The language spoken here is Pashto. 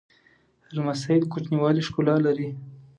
لمسی د کوچنیوالي ښکلا لري.